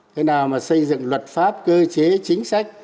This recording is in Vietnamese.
thế nào mà xây dựng luật pháp cơ chế chính sách